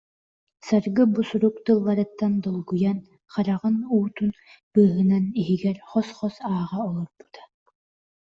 Саргы бу сурук тылларыттан долгуйан, хараҕын уутун быыһынан иһигэр хос-хос ааҕа олорбута